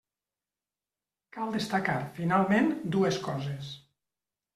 Cal destacar, finalment, dues coses.